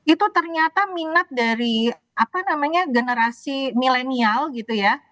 itu ternyata minat dari apa namanya generasi milenial gitu ya